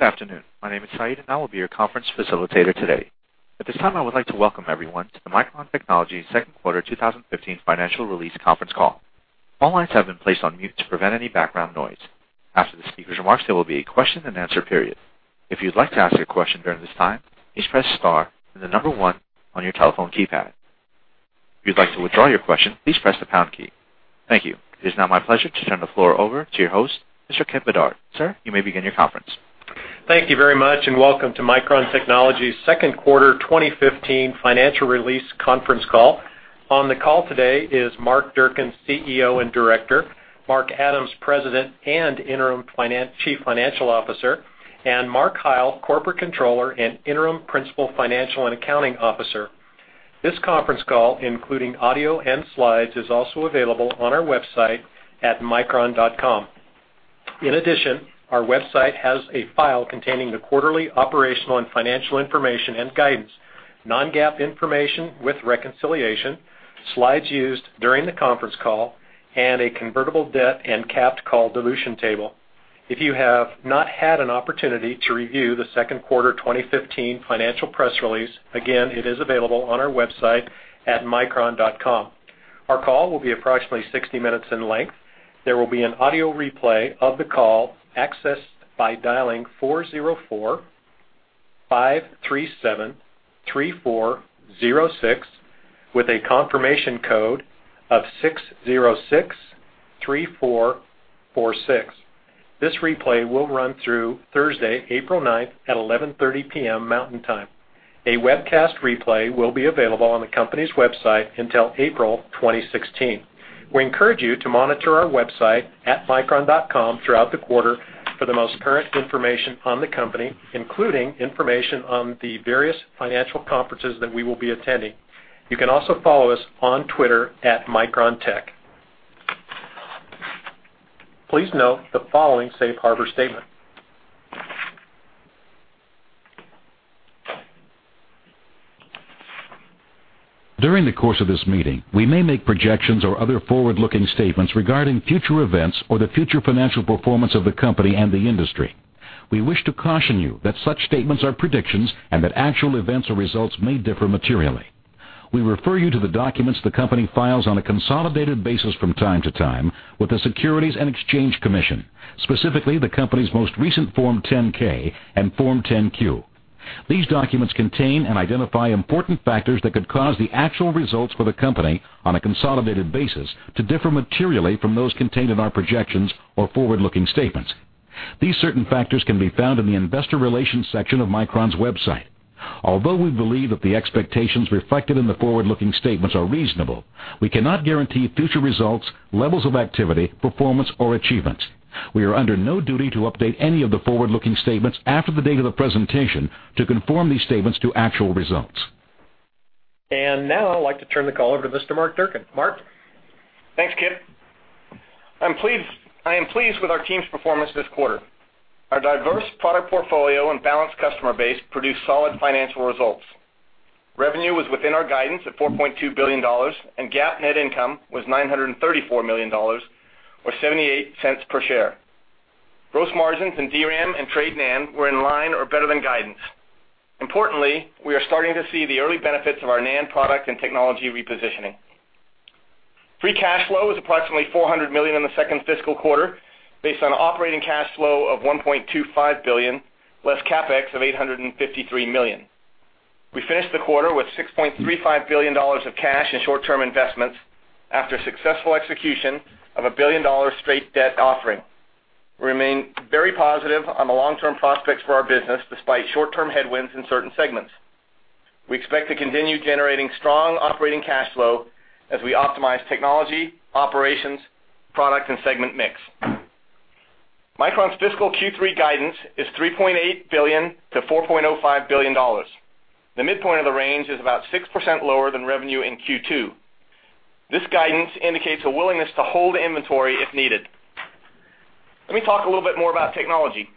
Good afternoon. My name is Saeed, and I will be your conference facilitator today. At this time, I would like to welcome everyone to the Micron Technology Second Quarter 2015 Financial Release Conference Call. All lines have been placed on mute to prevent any background noise. After the speaker's remarks, there will be a question and answer period. If you'd like to ask a question during this time, please press star, then the number 1 on your telephone keypad. If you'd like to withdraw your question, please press the pound key. Thank you. It is now my pleasure to turn the floor over to your host, Mr. Kipp Bodnar. Sir, you may begin your conference. Thank you very much, and welcome to Micron Technology's Second Quarter 2015 financial release conference call. On the call today is Mark Durcan, CEO and Director, Mark Adams, President and interim Chief Financial Officer, and Mark Heil, Corporate Controller and interim Principal Financial and Accounting Officer. This conference call, including audio and slides, is also available on our website at micron.com. In addition, our website has a file containing the quarterly operational and financial information and guidance, non-GAAP information with reconciliation, slides used during the conference call, and a convertible debt and capped call dilution table. If you have not had an opportunity to review the Second Quarter 2015 financial press release, again, it is available on our website at micron.com. Our call will be approximately 60 minutes in length. There will be an audio replay of the call accessed by dialing 404-537-3406 with a confirmation code of 6063446. This replay will run through Thursday, April 9th at 11:30 P.M. Mountain Time. A webcast replay will be available on the company's website until April 2016. We encourage you to monitor our website at micron.com throughout the quarter for the most current information on the company, including information on the various financial conferences that we will be attending. You can also follow us on Twitter @MicronTech. Please note the following safe harbor statement. During the course of this meeting, we may make projections or other forward-looking statements regarding future events or the future financial performance of the company and the industry. We wish to caution you that such statements are predictions and that actual events or results may differ materially. We refer you to the documents the company files on a consolidated basis from time to time with the Securities and Exchange Commission, specifically the company's most recent Form 10-K and Form 10-Q. These documents contain and identify important factors that could cause the actual results for the company on a consolidated basis to differ materially from those contained in our projections or forward-looking statements. These certain factors can be found in the investor relations section of Micron's website. Although we believe that the expectations reflected in the forward-looking statements are reasonable, we cannot guarantee future results, levels of activity, performance, or achievements. We are under no duty to update any of the forward-looking statements after the date of the presentation to conform these statements to actual results. Now, I'd like to turn the call over to Mark Durcan. Mark? Thanks, Kipp. I am pleased with our team's performance this quarter. Our diverse product portfolio and balanced customer base produced solid financial results. Revenue was within our guidance at $4.2 billion, and GAAP net income was $934 million, or $0.78 per share. Gross margins in DRAM and trade NAND were in line or better than guidance. Importantly, we are starting to see the early benefits of our NAND product and technology repositioning. Free cash flow is approximately $400 million in the second fiscal quarter, based on operating cash flow of $1.25 billion, less CapEx of $853 million. We finished the quarter with $6.35 billion of cash and short-term investments after successful execution of a billion-dollar straight debt offering. We remain very positive on the long-term prospects for our business, despite short-term headwinds in certain segments. We expect to continue generating strong operating cash flow as we optimize technology, operations, product, and segment mix. Micron's fiscal Q3 guidance is $3.8 billion to $4.05 billion. The midpoint of the range is about 6% lower than revenue in Q2. This guidance indicates a willingness to hold inventory if needed. Let me talk a little bit more about technology.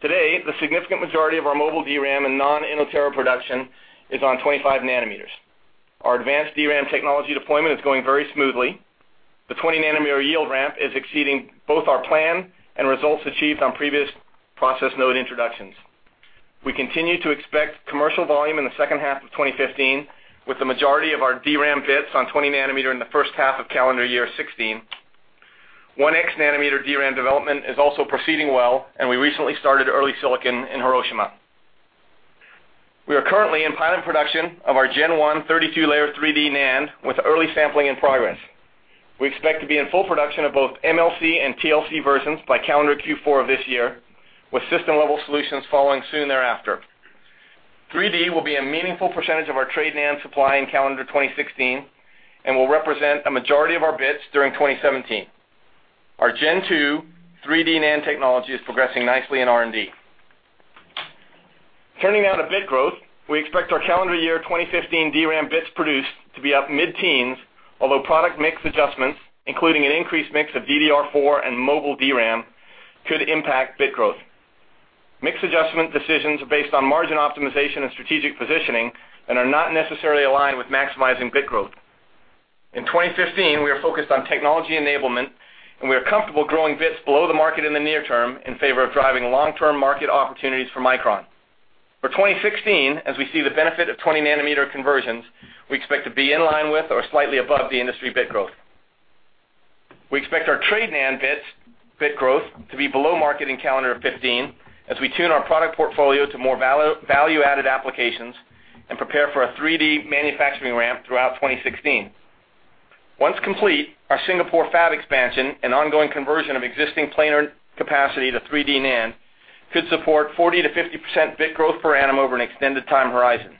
Today, the significant majority of our mobile DRAM and non-Inotera production is on 25 nanometers. Our advanced DRAM technology deployment is going very smoothly. The 20 nanometer yield ramp is exceeding both our plan and results achieved on previous process node introductions. We continue to expect commercial volume in the second half of 2015, with the majority of our DRAM bits on 20 nanometer in the first half of calendar year 2016. 1x nanometer DRAM development is also proceeding well, and we recently started early silicon in Hiroshima. We are currently in pilot production of our Gen 1 32-layer 3D NAND, with early sampling in progress. We expect to be in full production of both MLC and TLC versions by calendar Q4 of this year, with system-level solutions following soon thereafter. 3D will be a meaningful percentage of our trade NAND supply in calendar 2016 and will represent a majority of our bits during 2017. Our Gen 2 3D NAND technology is progressing nicely in R&D. Turning now to bit growth. We expect our calendar year 2015 DRAM bits produced to be up mid-teens, although product mix adjustments, including an increased mix of DDR4 and mobile DRAM, could impact bit growth. Mix adjustment decisions are based on margin optimization and strategic positioning and are not necessarily aligned with maximizing bit growth. In 2015, we are focused on technology enablement, and we are comfortable growing bits below the market in the near term in favor of driving long-term market opportunities for Micron. For 2016, as we see the benefit of 20 nanometer conversions, we expect to be in line with or slightly above the industry bit growth. We expect our trade NAND bit growth to be below market in calendar 2015, as we tune our product portfolio to more value-added applications and prepare for a 3D manufacturing ramp throughout 2016. Once complete, our Singapore fab expansion and ongoing conversion of existing planar capacity to 3D NAND could support 40%-50% bit growth per annum over an extended time horizon.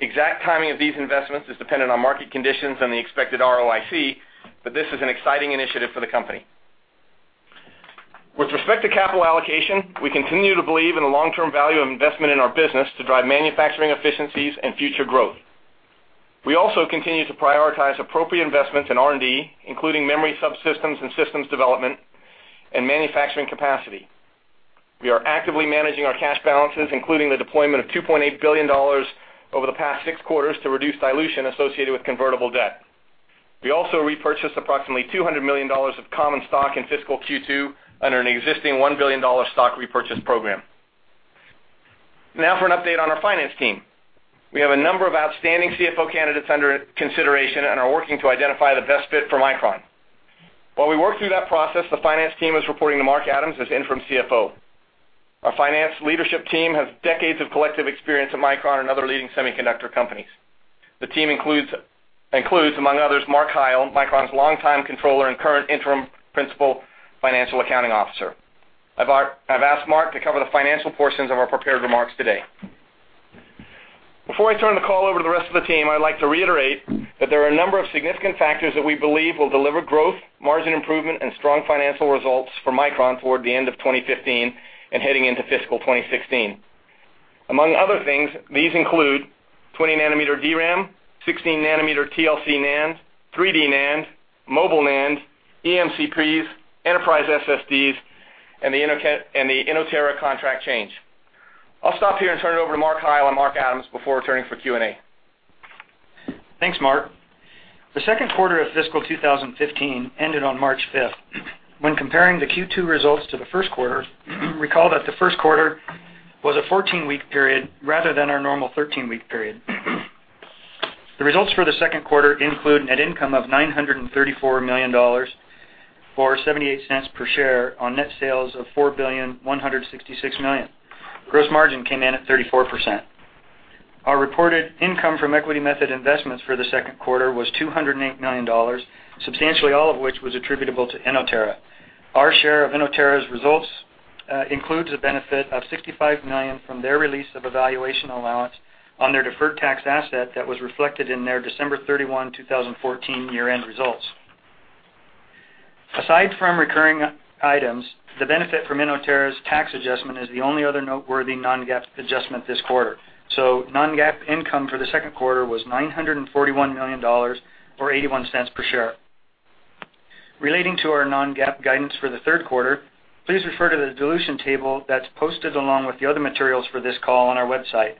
Exact timing of these investments is dependent on market conditions and the expected ROIC. This is an exciting initiative for the company. With respect to capital allocation, we continue to believe in the long-term value of investment in our business to drive manufacturing efficiencies and future growth. We also continue to prioritize appropriate investments in R&D, including memory subsystems and systems development, and manufacturing capacity. We are actively managing our cash balances, including the deployment of $2.8 billion over the past six quarters to reduce dilution associated with convertible debt. We also repurchased approximately $200 million of common stock in fiscal Q2 under an existing $1 billion stock repurchase program. Now for an update on our finance team. We have a number of outstanding CFO candidates under consideration and are working to identify the best fit for Micron. While we work through that process, the finance team is reporting to Mark Adams as interim CFO. Our finance leadership team has decades of collective experience at Micron and other leading semiconductor companies. The team includes, among others, Mark Heil, Micron's longtime controller and current interim principal financial accounting officer. I've asked Mark to cover the financial portions of our prepared remarks today. Before I turn the call over to the rest of the team, I'd like to reiterate that there are a number of significant factors that we believe will deliver growth, margin improvement, and strong financial results for Micron toward the end of 2015 and heading into fiscal 2016. Among other things, these include 20 nanometer DRAM, 16 nanometer TLC NAND, 3D NAND, mobile NAND, eMCPs, enterprise SSDs, and the Inotera contract change. I'll stop here and turn it over to Mark Heil and Mark Adams before turning for Q&A. Thanks, Mark. The second quarter of fiscal 2015 ended on March 5th. When comparing the Q2 results to the first quarter, recall that the first quarter was a 14-week period rather than our normal 13-week period. The results for the second quarter include net income of $934 million, or $0.78 per share on net sales of $4,166 million. Gross margin came in at 34%. Our reported income from equity method investments for the second quarter was $208 million, substantially all of which was attributable to Inotera. Our share of Inotera's results includes a benefit of $65 million from their release of a valuation allowance on their deferred tax asset that was reflected in their December 31, 2014, year-end results. Aside from recurring items, the benefit from Inotera's tax adjustment is the only other noteworthy non-GAAP adjustment this quarter. Non-GAAP income for the second quarter was $941 million, or $0.81 per share. Relating to our non-GAAP guidance for the third quarter, please refer to the dilution table that is posted along with the other materials for this call on our website.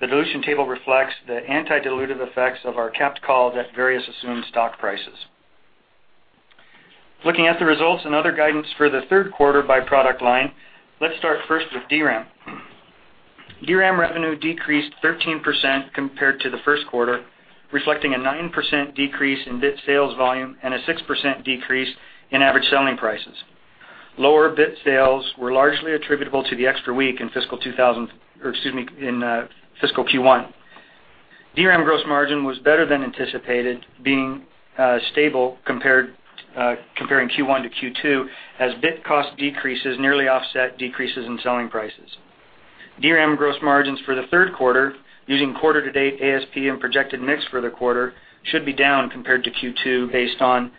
The dilution table reflects the anti-dilutive effects of our capped call at various assumed stock prices. Looking at the results and other guidance for the third quarter by product line, let's start first with DRAM. DRAM revenue decreased 13% compared to the first quarter, reflecting a 9% decrease in bit sales volume and a 6% decrease in average selling prices. Lower bit sales were largely attributable to the extra week in fiscal Q1. DRAM gross margin was better than anticipated, being stable comparing Q1 to Q2, as bit cost decreases nearly offset decreases in selling prices. DRAM gross margins for the third quarter, using quarter-to-date ASP and projected mix for the quarter, should be down compared to Q2 based on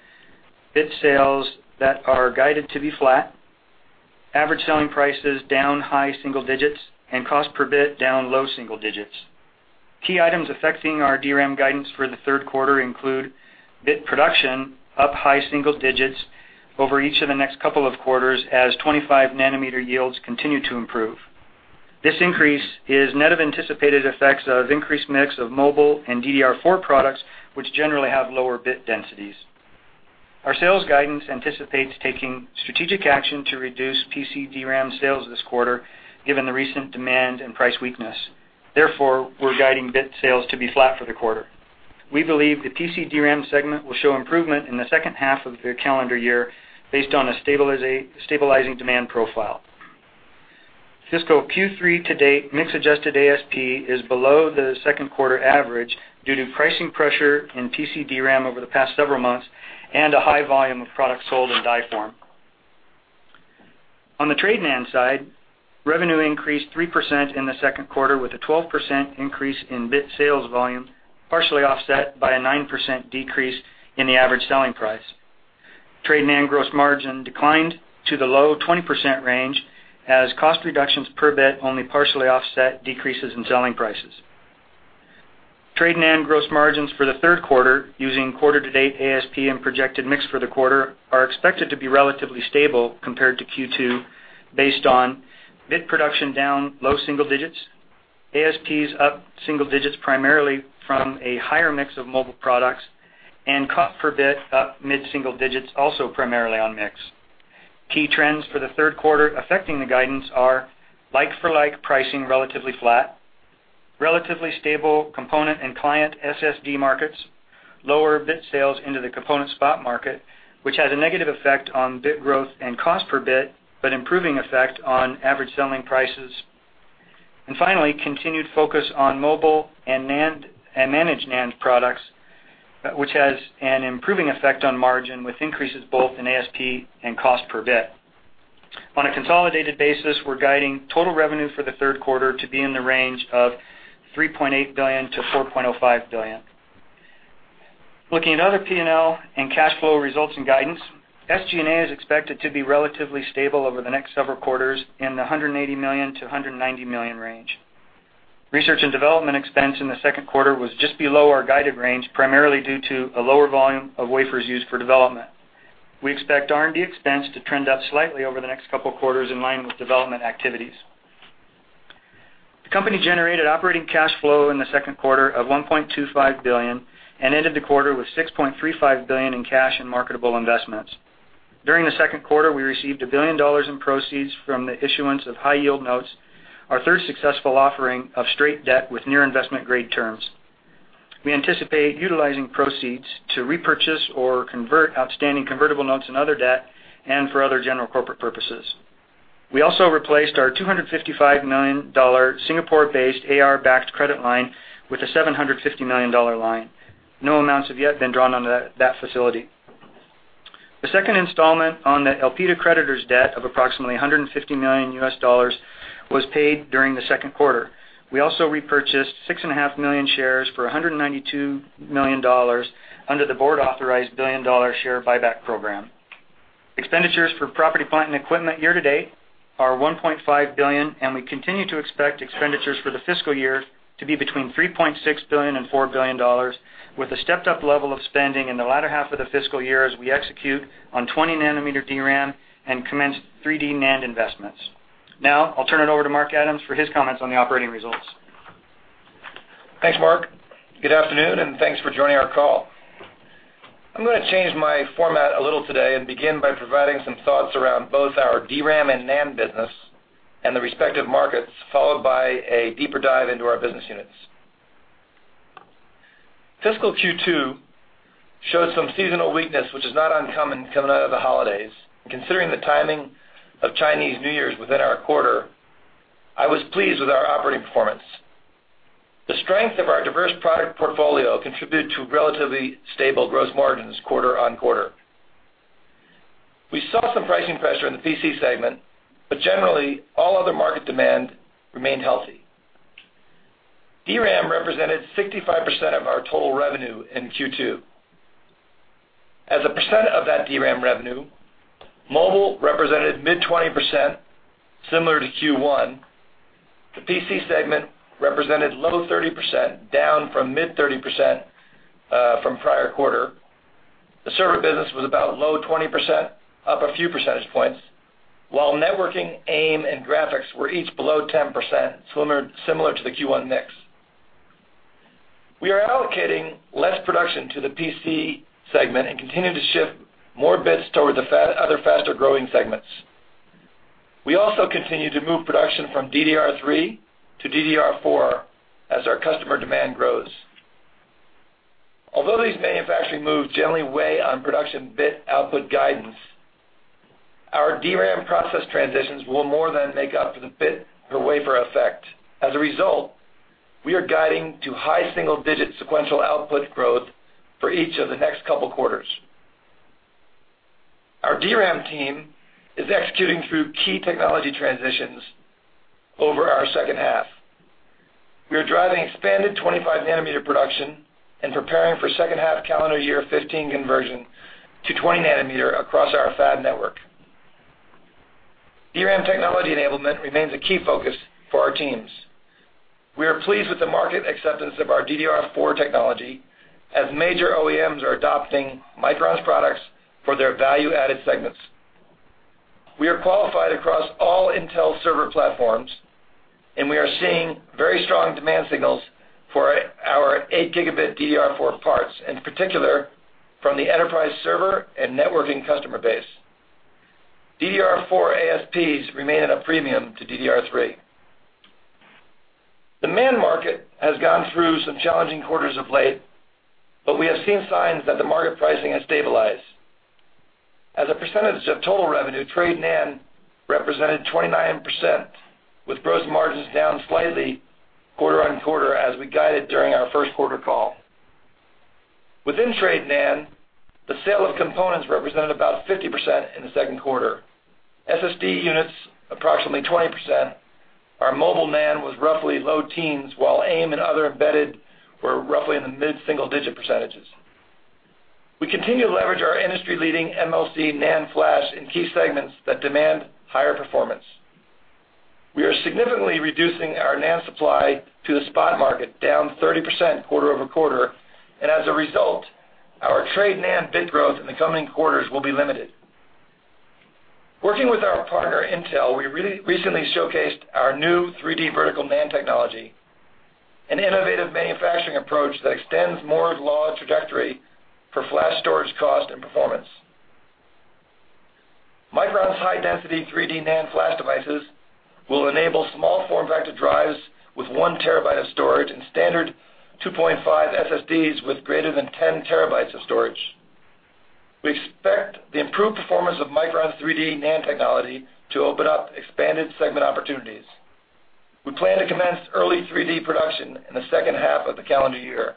bit sales that are guided to be flat, average selling prices down high single digits, and cost per bit down low single digits. Key items affecting our DRAM guidance for the third quarter include bit production up high single digits over each of the next couple of quarters, as 25 nanometer yields continue to improve. This increase is net of anticipated effects of increased mix of mobile and DDR4 products, which generally have lower bit densities. Our sales guidance anticipates taking strategic action to reduce PC DRAM sales this quarter, given the recent demand and price weakness. We are guiding bit sales to be flat for the quarter. We believe the PC DRAM segment will show improvement in the second half of the calendar year based on a stabilizing demand profile. Fiscal Q3 to date mix-adjusted ASP is below the second quarter average due to pricing pressure in PC DRAM over the past several months and a high volume of products sold in die form. On the trade NAND side, revenue increased 3% in the second quarter with a 12% increase in bit sales volume, partially offset by a 9% decrease in the average selling price. Trade NAND gross margin declined to the low 20% range, as cost reductions per bit only partially offset decreases in selling prices. Trade NAND gross margins for the third quarter, using quarter-to-date ASP and projected mix for the quarter, are expected to be relatively stable compared to Q2 based on bit production down low single digits. ASPs up single digits primarily from a higher mix of mobile products and cost per bit up mid-single digits, also primarily on mix. Key trends for the third quarter affecting the guidance are like-for-like pricing relatively flat, relatively stable component and client SSDs markets, lower bit sales into the component spot market, which has a negative effect on bit growth and cost per bit, but improving effect on average selling prices. Finally, continued focus on mobile and managed NAND products, which has an improving effect on margin with increases both in ASP and cost per bit. On a consolidated basis, we're guiding total revenue for the third quarter to be in the range of $3.8 billion to $4.05 billion. Looking at other P&L and cash flow results and guidance, SG&A is expected to be relatively stable over the next several quarters in the $180 million to $190 million range. Research and development expense in the second quarter was just below our guided range, primarily due to a lower volume of wafers used for development. We expect R&D expense to trend up slightly over the next couple of quarters, in line with development activities. The company generated operating cash flow in the second quarter of $1.25 billion and ended the quarter with $6.35 billion in cash and marketable investments. During the second quarter, we received $1 billion in proceeds from the issuance of high-yield notes, our third successful offering of straight debt with near-investment-grade terms. We anticipate utilizing proceeds to repurchase or convert outstanding convertible notes and other debt, and for other general corporate purposes. We also replaced our $255 million Singapore-based AR-backed credit line with a $750 million line. No amounts have yet been drawn on that facility. The second installment on the Elpida creditors' debt of approximately $150 million was paid during the second quarter. We also repurchased 6.5 million shares for $192 million under the board-authorized billion-dollar share buyback program. Expenditures for property, plant, and equipment year-to-date are $1.5 billion, and we continue to expect expenditures for the fiscal year to be between $3.6 billion and $4 billion, with a stepped-up level of spending in the latter half of the fiscal year as we execute on 20-nanometer DRAM and commence 3D NAND investments. I'll turn it over to Mark Adams for his comments on the operating results. Thanks, Mark. Good afternoon, and thanks for joining our call. I'm going to change my format a little today and begin by providing some thoughts around both our DRAM and NAND business and the respective markets, followed by a deeper dive into our business units. Fiscal Q2 showed some seasonal weakness, which is not uncommon coming out of the holidays. Considering the timing of Chinese New Year's within our quarter, I was pleased with our operating performance. The strength of our diverse product portfolio contributed to relatively stable gross margins quarter-on-quarter. We saw some pricing pressure in the PC segment, but generally, all other market demand remained healthy. DRAM represented 65% of our total revenue in Q2. As a % of that DRAM revenue, mobile represented mid-20%, similar to Q1. The PC segment represented low 30%, down from mid-30% from the prior quarter. The server business was about low 20%, up a few percentage points, while networking, AIM, and graphics were each below 10%, similar to the Q1 mix. We are allocating less production to the PC segment and continue to shift more bits toward the other faster-growing segments. We also continue to move production from DDR3 to DDR4 as our customer demand grows. Although these manufacturing moves generally weigh on production bit output guidance, our DRAM process transitions will more than make up for the bit-per-wafer effect. As a result, we are guiding to high single-digit sequential output growth for each of the next couple of quarters. Our DRAM team is executing through key technology transitions over our second half. We are driving expanded 25-nanometer production and preparing for second-half calendar year 2015 conversion to 20 nanometer across our fab network. DRAM technology enablement remains a key focus for our teams. We are pleased with the market acceptance of our DDR4 technology, as major OEMs are adopting Micron's products for their value-added segments. We are qualified across all Intel server platforms. We are seeing very strong demand signals for our 8-gigabit DDR4 parts, in particular from the enterprise server and networking customer base. DDR4 ASPs remain at a premium to DDR3. The NAND market has gone through some challenging quarters of late. We have seen signs that the market pricing has stabilized. As a percentage of total revenue, trade NAND represented 29%, with gross margins down slightly quarter-on-quarter as we guided during our first quarter call. Within trade NAND, the sale of components represented about 50% in the second quarter. SSD units, approximately 20%. Our mobile NAND was roughly low teens, while AIM and other embedded were roughly in the mid-single-digit percentages. We continue to leverage our industry-leading MLC NAND flash in key segments that demand higher performance. We are significantly reducing our NAND supply to the spot market, down 30% quarter-over-quarter. As a result, our trade NAND bit growth in the coming quarters will be limited. Working with our partner, Intel, we recently showcased our new 3D vertical NAND technology, an innovative manufacturing approach that extends Moore's law trajectory for flash storage cost and performance. Micron's high-density 3D NAND flash devices will enable small form factor drives with 1 terabyte of storage and standard 2.5 SSDs with greater than 10 terabytes of storage. We expect the improved performance of Micron's 3D NAND technology to open up expanded segment opportunities. We plan to commence early 3D production in the second half of the calendar year.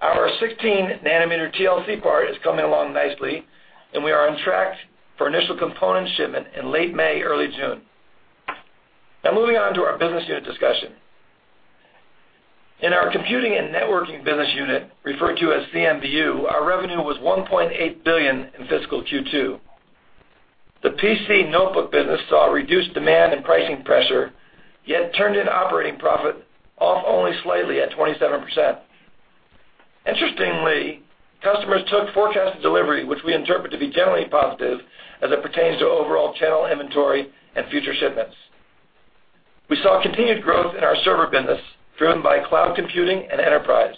Our 16-nanometer TLC part is coming along nicely. We are on track for initial component shipment in late May, early June. Moving on to our business unit discussion. In our computing and networking business unit, referred to as CNBU, our revenue was $1.8 billion in fiscal Q2. The PC notebook business saw reduced demand and pricing pressure, yet turned in operating profit off only slightly at 27%. Interestingly, customers took forecasted delivery, which we interpret to be generally positive as it pertains to overall channel inventory and future shipments. We saw continued growth in our server business, driven by cloud computing and enterprise.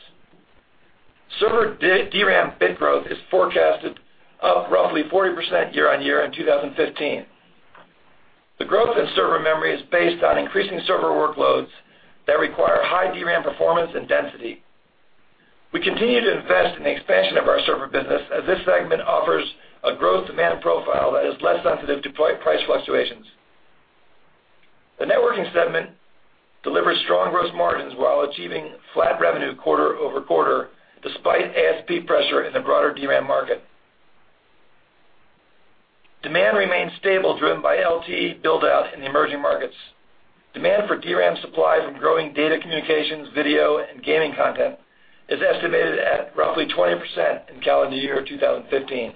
Server DRAM bit growth is forecasted up roughly 40% year-on-year in 2015. The growth in server memory is based on increasing server workloads that require high DRAM performance and density. We continue to invest in the expansion of our server business, as this segment offers a growth demand profile that is less sensitive to price fluctuations. The networking segment delivered strong gross margins while achieving flat revenue quarter-over-quarter, despite ASP pressure in the broader DRAM market. Demand remains stable, driven by LTE build-out in the emerging markets. Demand for DRAM supply from growing data communications, video, and gaming content is estimated at roughly 20% in calendar year 2015.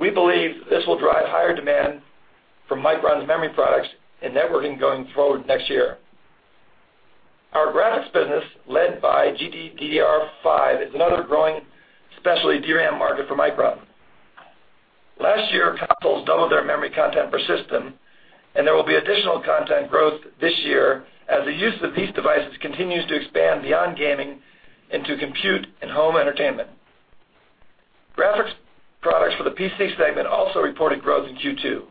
We believe this will drive higher demand for Micron's memory products and networking going forward next year. Our graphics business, led by GDDR5, is another growing specialty DRAM market for Micron. Last year, consoles doubled their memory content per system, and there will be additional content growth this year as the use of these devices continues to expand beyond gaming into compute and home entertainment. Graphics products for the PC segment also reported growth in Q2.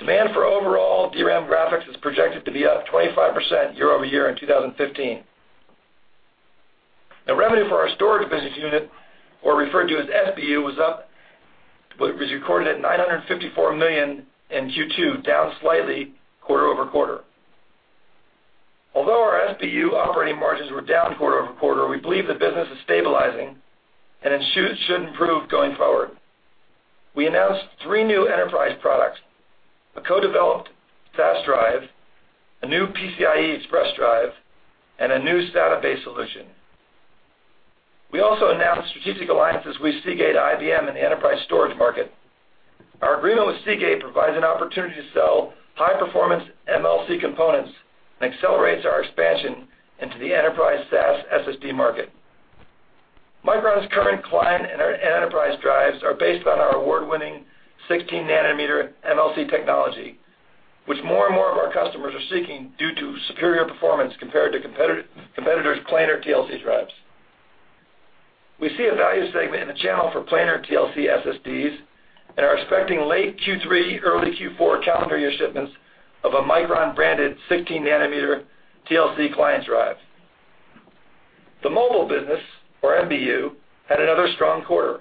Demand for overall DRAM graphics is projected to be up 25% year-over-year in 2015. Revenue for our storage business unit, or referred to as SBU, was recorded at $954 million in Q2, down slightly quarter-over-quarter. Although our SBU operating margins were down quarter-over-quarter, we believe the business is stabilizing and it should improve going forward. We announced three new enterprise products, a co-developed SAS drive, a new PCIe express drive, and a new SATA-based solution. We also announced strategic alliances with Seagate and IBM in the enterprise storage market. Our agreement with Seagate provides an opportunity to sell high-performance MLC components and accelerates our expansion into the enterprise SAS SSD market. Micron's current client and our enterprise drives are based on our award-winning 16-nanometer MLC technology, which more and more of our customers are seeking due to superior performance compared to competitors' planar TLC drives. We see a value segment in the channel for planar TLC SSDs and are expecting late Q3, early Q4 calendar year shipments of a Micron-branded 16-nanometer TLC client drive. The mobile business, or MBU, had another strong quarter.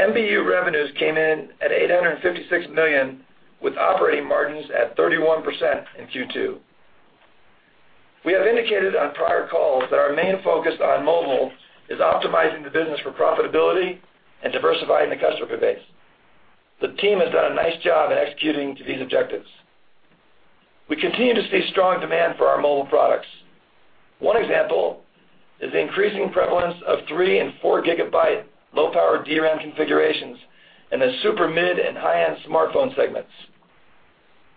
MBU revenues came in at $856 million, with operating margins at 31% in Q2. We have indicated on prior calls that our main focus on mobile is optimizing the business for profitability and diversifying the customer base. The team has done a nice job in executing to these objectives. We continue to see strong demand for our mobile products. One example is the increasing prevalence of three and four gigabyte low-power DRAM configurations in the super mid and high-end smartphone segments.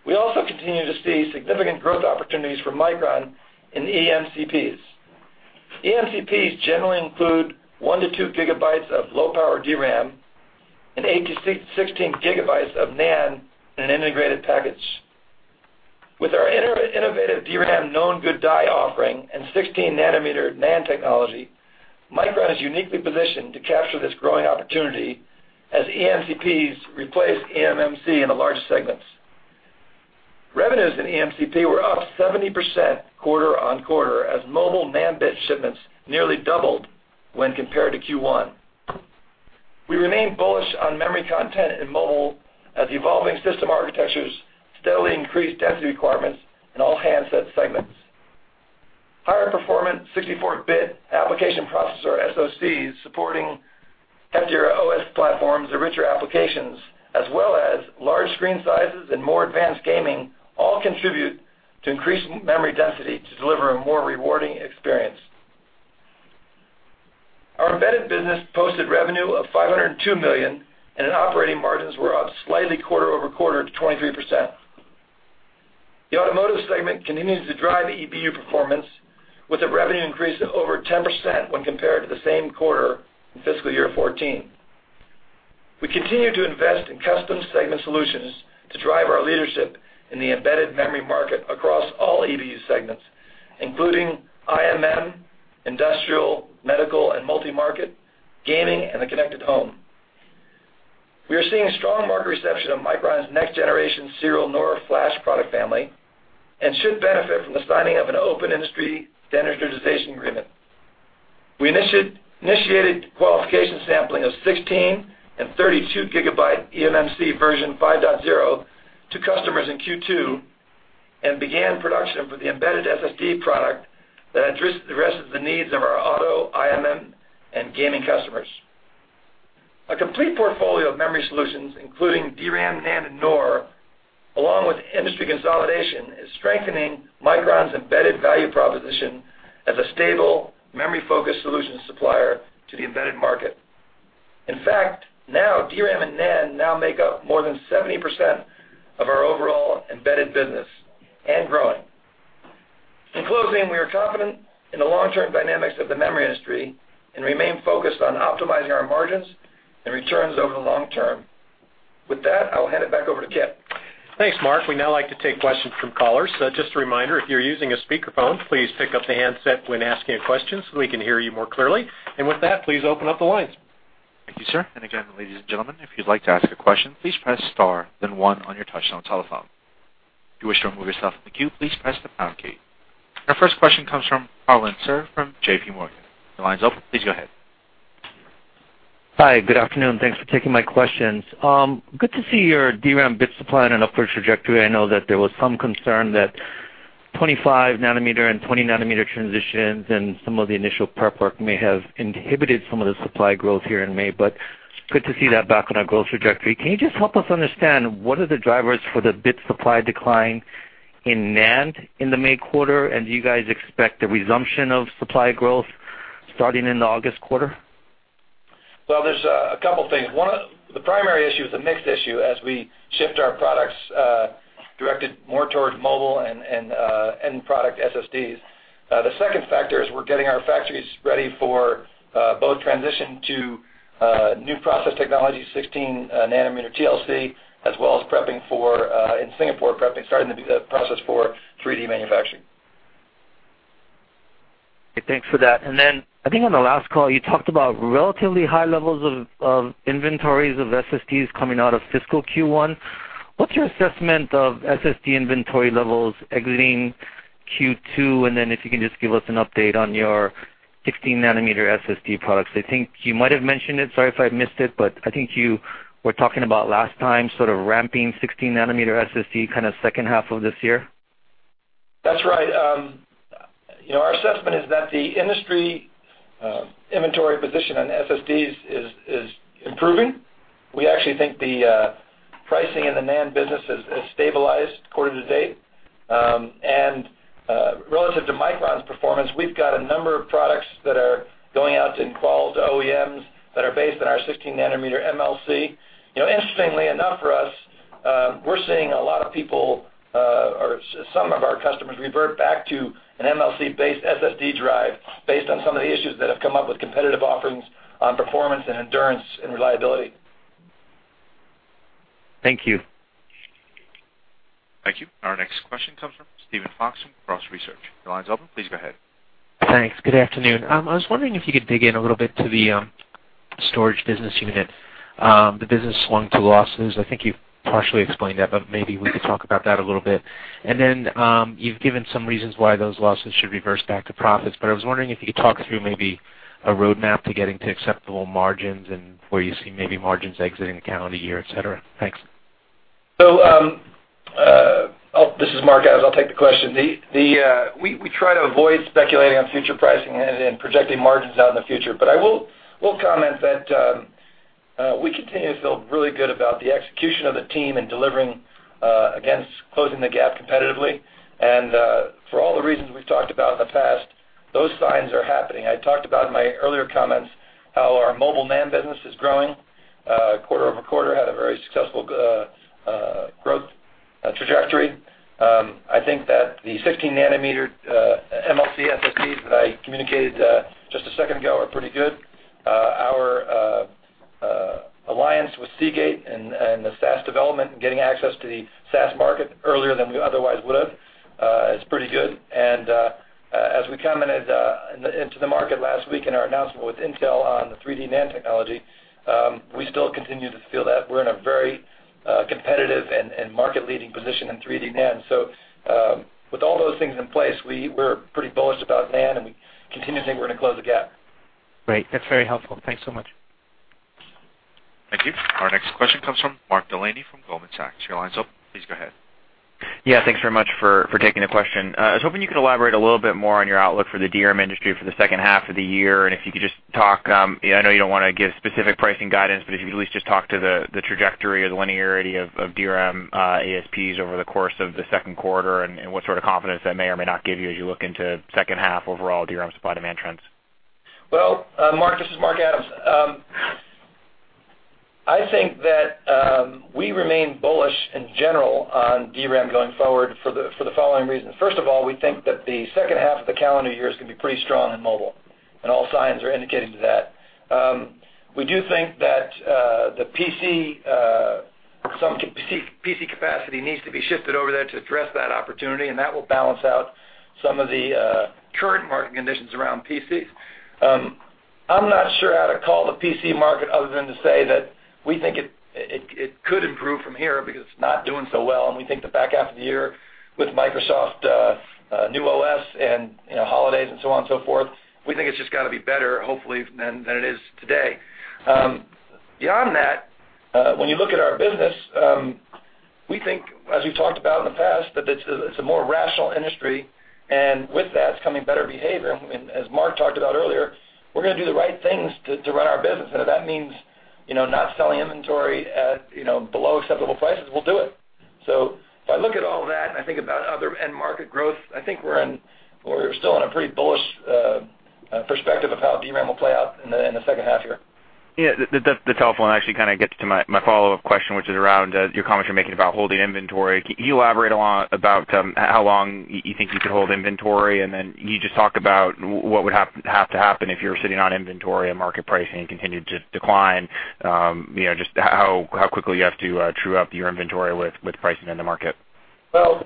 We also continue to see significant growth opportunities for Micron in eMCPs. eMCPs generally include one to two gigabytes of low-power DRAM and eight to 16 gigabytes of NAND in an integrated package. With our innovative DRAM Known Good Die offering and 16-nanometer NAND technology, Micron is uniquely positioned to capture this growing opportunity as eMCPs replace eMMC in the large segments. Revenues in eMCP were up 70% quarter-on-quarter as mobile NAND bit shipments nearly doubled when compared to Q1. We remain bullish on memory content in mobile as evolving system architectures steadily increase density requirements in all handset segments. Higher performance 64-bit application processor SoCs supporting heftier OS platforms or richer applications, as well as large screen sizes and more advanced gaming, all contribute to increased memory density to deliver a more rewarding experience. Our embedded business posted revenue of $502 million, and operating margins were up slightly quarter-over-quarter to 23%. The automotive segment continues to drive EBU performance with a revenue increase of over 10% when compared to the same quarter in fiscal year 2014. We continue to invest in custom segment solutions to drive our leadership in the embedded memory market across all EBU segments, including IMM, industrial, medical, and multi-market, gaming, and the connected home. We are seeing strong market reception of Micron's next-generation Serial NOR flash product family and should benefit from the signing of an open-industry standardization agreement. We initiated qualification sampling of 16- and 32-gigabyte eMMC version 5.0 to customers in Q2 and began production for the embedded SSD product that addresses the needs of our auto, IMM, and gaming customers. A complete portfolio of memory solutions, including DRAM, NAND, and NOR, along with industry consolidation, is strengthening Micron's embedded value proposition as a stable memory-focused solutions supplier to the embedded market. In fact, now DRAM and NAND now make up more than 70% of our overall embedded business and growing. In closing, we are confident in the long-term dynamics of the memory industry and remain focused on optimizing our margins and returns over the long term. With that, I will hand it back over to Kipp. Thanks, Mark. We'd now like to take questions from callers. Just a reminder, if you're using a speakerphone, please pick up the handset when asking a question so we can hear you more clearly. With that, please open up the lines. Thank you, sir. Again, ladies and gentlemen, if you'd like to ask a question, please press star then one on your touchtone telephone. If you wish to remove yourself from the queue, please press the pound key. Our first question comes from Harlan Sur from JPMorgan. Your line's open. Please go ahead. Hi. Good afternoon. Thanks for taking my questions. Good to see your DRAM bit supply on an upward trajectory. I know that there was some concern that 25-nanometer and 20-nanometer transitions and some of the initial prep work may have inhibited some of the supply growth here in May, but good to see that back on a growth trajectory. Can you just help us understand what are the drivers for the bit supply decline in NAND in the May quarter? Do you guys expect a resumption of supply growth starting in the August quarter? Well, there's a couple things. One, the primary issue is a mixed issue as we shift our products directed more towards mobile and end product SSDs. The second factor is we're getting our factories ready for both transition to new process technology, 16-nanometer TLC, as well as prepping for, in Singapore, starting the process for 3D manufacturing. Okay, thanks for that. I think on the last call, you talked about relatively high levels of inventories of SSDs coming out of fiscal Q1. What's your assessment of SSD inventory levels exiting Q2? If you can just give us an update on your 16-nanometer SSD products. I think you might have mentioned it, sorry if I missed it, but I think you were talking about last time sort of ramping 16-nanometer SSD kind of second half of this year. That's right. Our assessment is that the industry inventory position on SSDs is improving. We actually think the pricing in the NAND business has stabilized quarter to date. Relative to Micron's performance, we've got a number of products that are going out in qual to OEMs that are based on our 16-nanometer MLC. Interestingly enough for us, we're seeing a lot of people, or some of our customers revert back to an MLC-based SSD drive based on some of the issues that have come up with competitive offerings on performance and endurance and reliability. Thank you. Thank you. Our next question comes from Steven Fox from Cross Research. Your line's open. Please go ahead. Thanks. Good afternoon. I was wondering if you could dig in a little bit to the storage business unit. The business swung to losses. I think you've partially explained that, maybe we could talk about that a little bit. Then, you've given some reasons why those losses should reverse back to profits, I was wondering if you could talk through maybe a roadmap to getting to acceptable margins and where you see maybe margins exiting the calendar year, et cetera. Thanks. This is Mark Adams. I'll take the question. We try to avoid speculating on future pricing and projecting margins out in the future, but I will comment that we continue to feel really good about the execution of the team in delivering against closing the gap competitively. For all the reasons we've talked about in the past, those signs are happening. I talked about in my earlier comments how our mobile NAND business is growing. Quarter-over-quarter had a very successful growth trajectory. I think that the 16-nanometer MLC SSDs that I communicated just a second ago are pretty good. Our alliance with Seagate and the SAS development and getting access to the SAS market earlier than we otherwise would've is pretty good. As we commented into the market last week in our announcement with Intel on the 3D NAND technology, we still continue to feel that we're in a very competitive and market-leading position in 3D NAND. With all those things in place, we're pretty bullish about NAND, and we continue to think we're going to close the gap. Great. That's very helpful. Thanks so much. Thank you. Our next question comes from Mark Delaney from Goldman Sachs. Your line's open. Please go ahead. Thanks very much for taking the question. I was hoping you could elaborate a little bit more on your outlook for the DRAM industry for the second half of the year, and if you could just talk, I know you don't want to give specific pricing guidance, but if you could at least just talk to the trajectory or the linearity of DRAM ASPs over the course of the second quarter and what sort of confidence that may or may not give you as you look into second half overall DRAM supply-demand trends. Well, Mark, this is Mark Adams. I think that we remain bullish in general on DRAM going forward for the following reasons. First of all, we think that the second half of the calendar year is going to be pretty strong in mobile, and all signs are indicating to that. We do think that some PC capacity needs to be shifted over there to address that opportunity, and that will balance out some of the current market conditions around PCs. I'm not sure how to call the PC market other than to say that we think it could improve from here because it's not doing so well, and we think the back half of the year with Microsoft new OS and holidays and so on and so forth, we think it's just got to be better, hopefully, than it is today. Beyond that, when you look at our business, we think, as we've talked about in the past, that it's a more rational industry, and with that, it's becoming better behavior. As Mark talked about earlier, we're going to do the right things to run our business. If that means not selling inventory at below acceptable prices, we'll do it. If I look at all that and I think about other end market growth, I think we're still in a pretty bullish perspective of how DRAM will play out in the second half year. Yeah. That's helpful, and actually kind of gets to my follow-up question, which is around your comments you're making about holding inventory. Can you elaborate about how long you think you can hold inventory, and then can you just talk about what would have to happen if you're sitting on inventory and market pricing continued to decline, just how quickly you have to true up your inventory with pricing in the market? Well,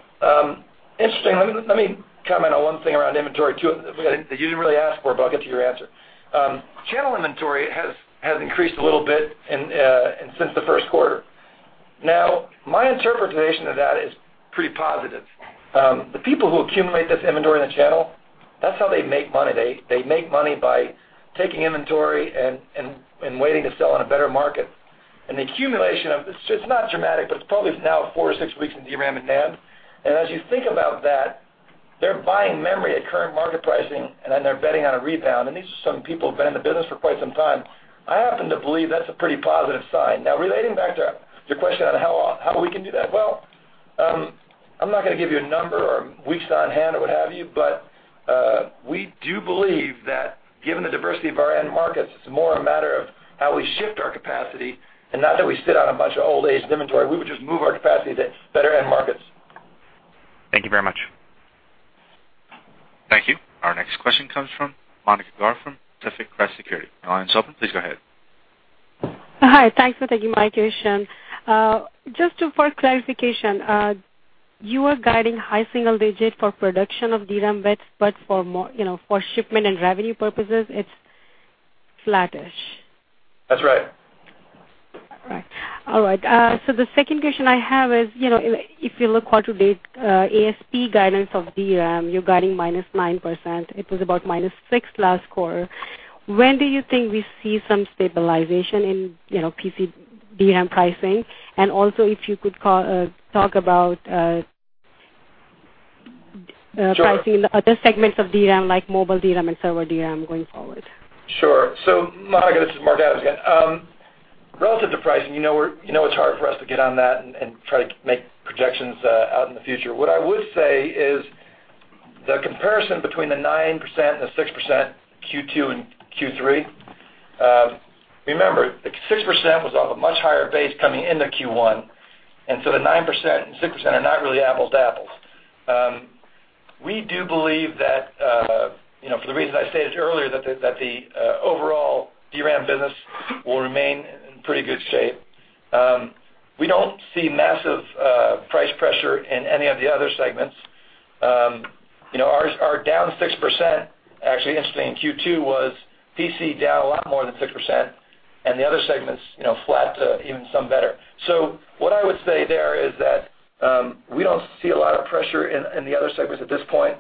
interesting. Let me comment on one thing around inventory, too, that you didn't really ask for, but I'll get to your answer. Channel inventory has increased a little bit since the first quarter. My interpretation of that is pretty positive. The people who accumulate this inventory in the channel, that's how they make money. They make money by taking inventory and waiting to sell in a better market. The accumulation of it's not dramatic, but it's probably now four to six weeks in DRAM and NAND. As you think about that, they're buying memory at current market pricing, and then they're betting on a rebound. These are some people who've been in the business for quite some time. I happen to believe that's a pretty positive sign. Relating back to your question on how we can do that, well, I'm not going to give you a number or weeks on hand or what have you, but we do believe that given the diversity of our end markets, it's more a matter of how we shift our capacity and not that we sit on a bunch of old-aged inventory. We would just move our capacity to better end markets. Thank you very much. Thank you. Our next question comes from Monika Garg from Pacific Crest Securities. Your line is open. Please go ahead. Hi. Thanks for taking my question. Just for clarification, you are guiding high single digit for production of DRAM bits, but for shipment and revenue purposes, it's flattish. That's right. All right. The second question I have is, if you look quarter-to-date ASP guidance of DRAM, you're guiding -9%. It was about -6% last quarter. When do you think we see some stabilization in PC DRAM pricing? And also, if you could talk about Sure pricing in the other segments of DRAM, like mobile DRAM and server DRAM going forward. Sure. Monika, this is Mark Adams again. Relative to pricing, you know it's hard for us to get on that and try to make projections out in the future. What I would say is the comparison between the 9% and the 6% Q2 and Q3, remember, the 6% was off a much higher base coming into Q1. The 9% and 6% are not really apples to apples. We do believe that, for the reasons I stated earlier, that the overall DRAM business will remain in pretty good shape. We don't see massive price pressure in any of the other segments. Ours are down 6%. Actually interesting in Q2 was PC down a lot more than 6%, and the other segments flat to even some better. What I would say there is that we don't see a lot of pressure in the other segments at this point.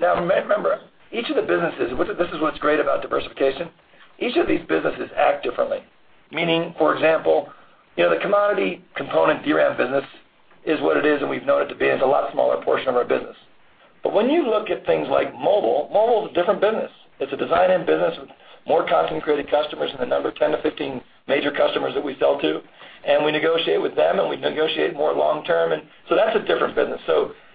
Remember, each of the businesses, this is what's great about diversification. Each of these businesses acts differently. For example, the commodity component DRAM business is what it is, and we've known it to be, and it's a lot smaller portion of our business. When you look at things like mobile is a different business. It's a design-end business with more content-created customers in the 10 to 15 major customers that we sell to, and we negotiate with them, and we negotiate more long-term, that's a different business.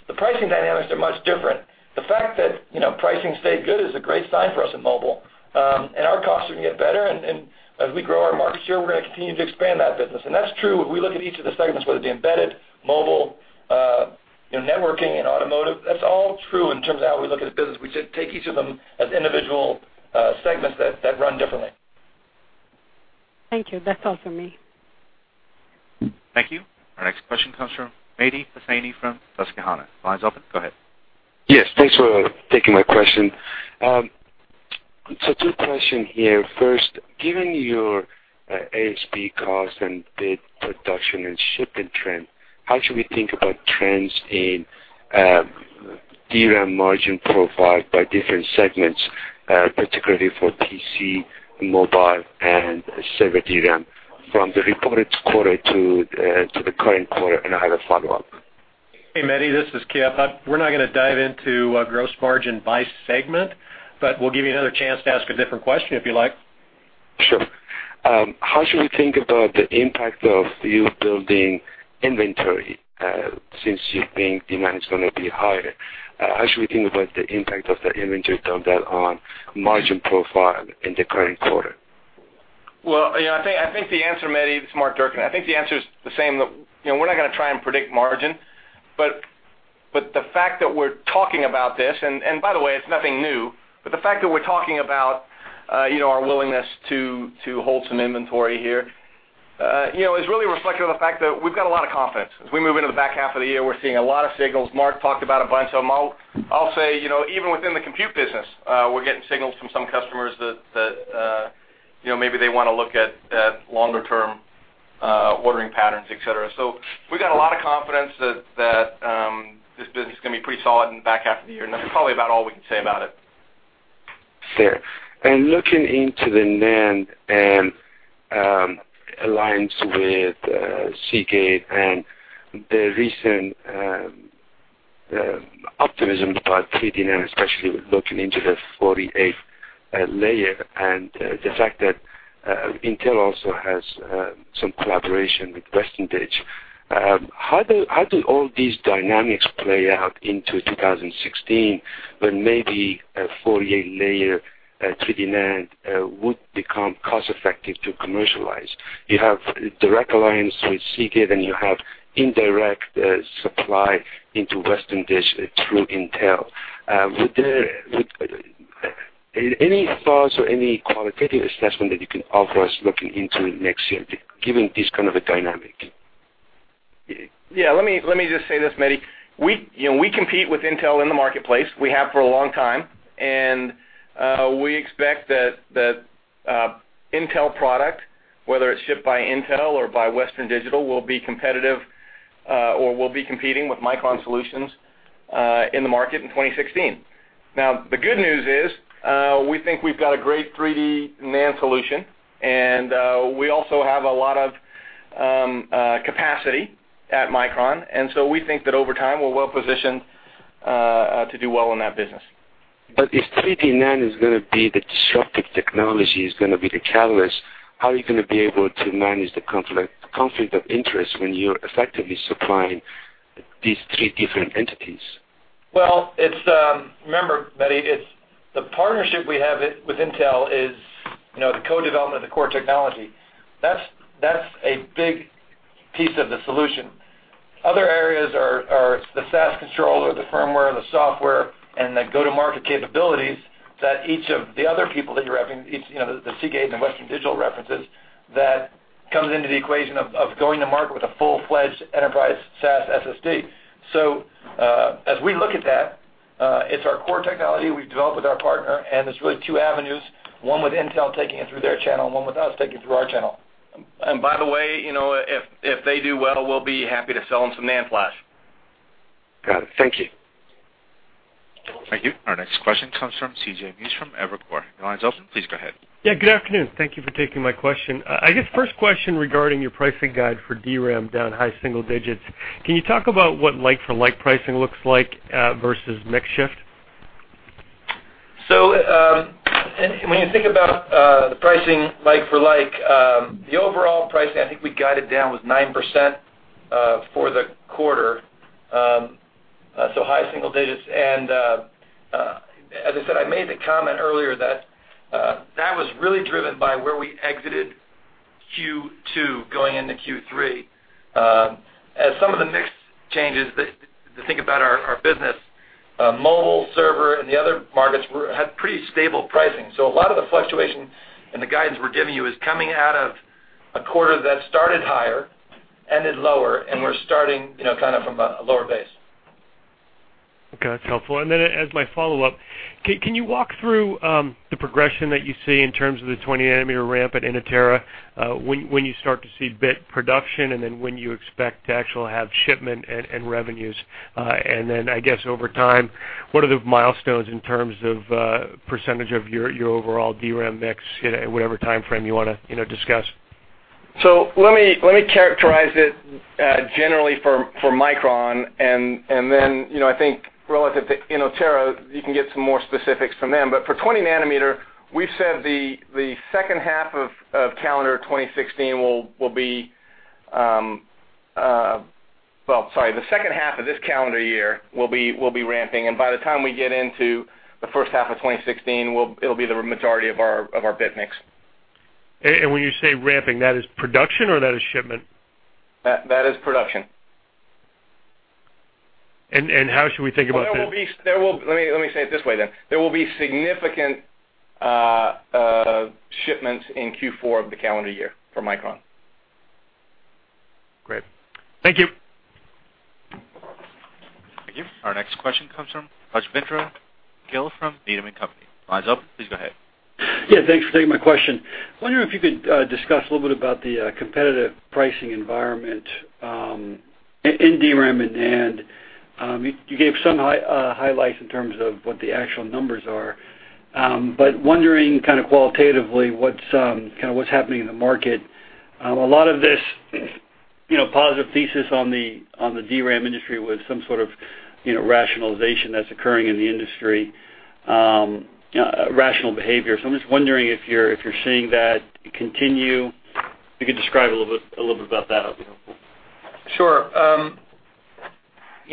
The pricing dynamics are much different. The fact that pricing stayed good is a great sign for us in mobile. Our costs are going to get better, and as we grow our market share, we're going to continue to expand that business. That's true if we look at each of the segments, whether it be embedded, mobile, networking, and automotive. That's all true in terms of how we look at the business. We take each of them as individual segments that run differently. Thank you. That's all for me. Thank you. Our next question comes from Mehdi Hosseini from Susquehanna. Line's open. Go ahead. Yes. Thanks for taking my question. Two questions here. First, given your ASP cost and bit production and shipping trend, how should we think about trends in DRAM margin profile by different segments, particularly for PC, mobile, and server DRAM from the reported quarter to the current quarter? I have a follow-up. Hey, Mehdi, this is Kipp. We're not going to dive into gross margin by segment. We'll give you another chance to ask a different question if you like. Sure. How should we think about the impact of you building inventory, since you think demand is going to be higher? How should we think about the impact of the inventory build on margin profile in the current quarter? Well, I think the answer, Mehdi, it's Mark Durcan. I think the answer is the same, that we're not going to try and predict margin, but the fact that we're talking about this, and by the way, it's nothing new, but the fact that we're talking about our willingness to hold some inventory here is really reflective of the fact that we've got a lot of confidence. As we move into the back half of the year, we're seeing a lot of signals. Mark talked about a bunch of them. I'll say, even within the compute business, we're getting signals from some customers that maybe they want to look at longer-term ordering patterns, et cetera. We've got a lot of confidence that this business is going to be pretty solid in the back half of the year. That's probably about all we can say about it. Fair. Looking into the NAND and alliance with Seagate and the recent optimism about 3D NAND, especially with looking into the 48-layer and the fact that Intel also has some collaboration with Western Digital, how do all these dynamics play out into 2016 when maybe a 48-layer 3D NAND would become cost-effective to commercialize? You have direct alliance with Seagate, and you have indirect supply into Western Digital through Intel. Any thoughts or any qualitative assessment that you can offer us looking into next year, given this kind of a dynamic? Yeah, let me just say this, Mehdi. We compete with Intel in the marketplace. We have for a long time, we expect that Intel product, whether it's shipped by Intel or by Western Digital, will be competitive or will be competing with Micron solutions in the market in 2016. The good news is, we think we've got a great 3D NAND solution, we also have a lot of capacity at Micron, so we think that over time, we're well-positioned to do well in that business. If 3D NAND is going to be the disruptive technology, is going to be the catalyst, how are you going to be able to manage the conflict of interest when you're effectively supplying these three different entities? Well, remember, Mehdi, the partnership we have with Intel is the co-development of the core technology. That's a big piece of the solution. Other areas are the SAS controller, the firmware, the software, and the go-to-market capabilities that each of the other people that you're referencing, the Seagate and Western Digital references, that comes into the equation of going to market with a full-fledged enterprise SAS SSD. As we look at that, it's our core technology we've developed with our partner, there's really two avenues, one with Intel taking it through their channel, and one with us taking it through our channel. By the way, if they do well, we'll be happy to sell them some NAND flash. Got it. Thank you. Thank you. Our next question comes from C.J. Muse from Evercore. Your line's open. Please go ahead. Yeah, good afternoon. Thank you for taking my question. I guess first question regarding your pricing guide for DRAM down high single digits. Can you talk about what like-for-like pricing looks like versus mix shift? When you think about the pricing like for like, the overall pricing, I think we guided down was 9% for the quarter, so high single digits. As I said, I made the comment earlier that was really driven by where we exited Q2 going into Q3. As some of the mix changes, to think about our business, mobile, server, and the other markets had pretty stable pricing. A lot of the fluctuation in the guidance we're giving you is coming out of a quarter that started higher, ended lower, and we're starting kind of from a lower base. Okay, that's helpful. As my follow-up, can you walk through the progression that you see in terms of the 20 nanometer ramp at Inotera, when you start to see bit production, when you expect to actually have shipment and revenues? I guess, over time, what are the milestones in terms of percentage of your overall DRAM mix in whatever timeframe you want to discuss? Let me characterize it generally for Micron. I think relative to Inotera, you can get some more specifics from them. For 20 nanometer, we've said the second half of this calendar year will be ramping, by the time we get into the first half of 2016, it'll be the majority of our bit mix. When you say ramping, that is production or that is shipment? That is production. How should we think about the. Let me say it this way then. There will be significant shipments in Q4 of the calendar year for Micron. Great. Thank you. Thank you. Our next question comes from Rajvindra Gill from Needham & Company. Line's open. Please go ahead. Thanks for taking my question. Wondering if you could discuss a little bit about the competitive pricing environment in DRAM and NAND. You gave some highlights in terms of what the actual numbers are. Wondering kind of qualitatively what's happening in the market. A lot of this positive thesis on the DRAM industry was some sort of rationalization that's occurring in the industry, rational behavior. I'm just wondering if you're seeing that continue. If you could describe a little bit about that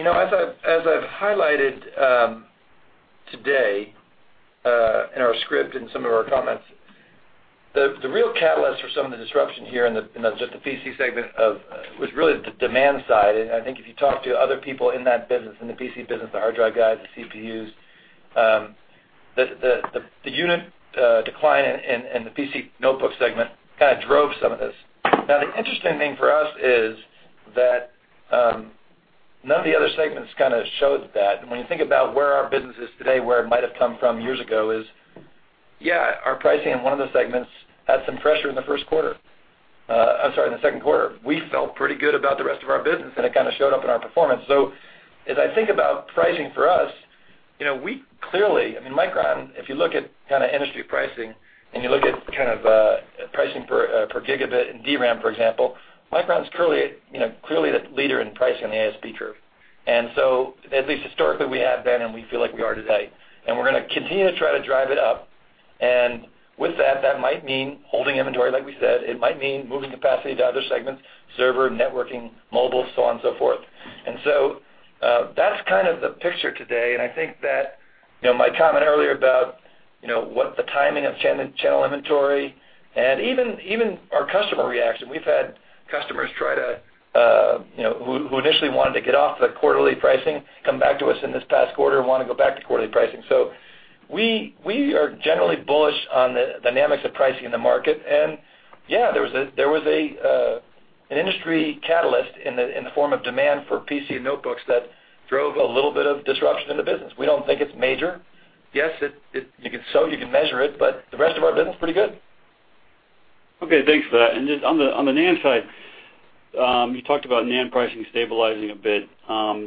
for us. As I've highlighted today in our script, in some of our comments, the real catalyst for some of the disruption here in just the PC segment was really the demand side. I think if you talk to other people in that business, in the PC business, the hard drive guys, the CPUs, the unit decline in the PC notebook segment kind of drove some of this. The interesting thing for us is that none of the other segments kind of shows that. When you think about where our business is today, where it might have come from years ago, is, our pricing in one of the segments had some pressure in the first quarter. I'm sorry, in the second quarter. We felt pretty good about the rest of our business, and it kind of showed up in our performance. As I think about pricing for us, Micron, if you look at kind of industry pricing and you look at kind of pricing per gigabit in DRAM, for example, Micron's clearly the leader in pricing on the ASP curve. At least historically, we have been, and we feel like we are today. We're going to continue to try to drive it up. With that might mean holding inventory, like we said. It might mean moving capacity to other segments, server, networking, mobile, so on and so forth. That's kind of the picture today, and I think that my comment earlier about what the timing of channel inventory and even our customer reaction. We've had customers who initially wanted to get off the quarterly pricing, come back to us in this past quarter and want to go back to quarterly pricing. We are generally bullish on the dynamics of pricing in the market. There was an industry catalyst in the form of demand for PC and notebooks that drove a little bit of disruption in the business. We don't think it's major. Yes, you can measure it, but the rest of our business is pretty good. Just on the NAND side, you talked about NAND pricing stabilizing a bit.